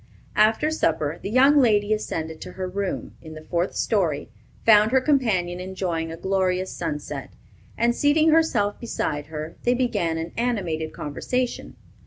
After supper, the young lady ascended to her room, in the fourth story, found her companion enjoying a glorious sunset, and seating herself beside her, they began an animated conversation.